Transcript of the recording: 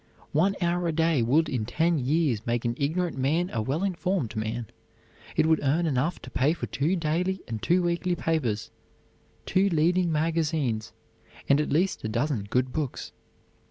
One hour a day would in ten years make an ignorant man a well informed man. It would earn enough to pay for two daily and two weekly papers, two leading magazines, and at least a dozen good books.